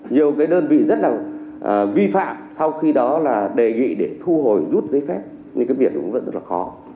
nhiều cái đơn vị rất là vi phạm sau khi đó là đề nghị để thu hồi rút giấy phép thì cái việc cũng rất là khó